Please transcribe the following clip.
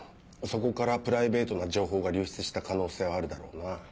そこからプライベートな情報が流出した可能性はあるだろうな。